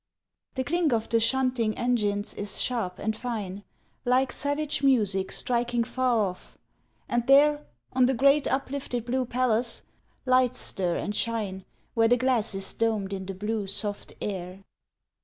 The clink of the shunting engines is sharp and fine, Like savage music striking far off, and there On the great, uplifted blue palace, lights stir and shine Where the glass is domed in the blue, soft air.